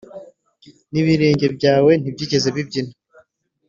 n’ibirenge byawe ntibyigeze bibyimba.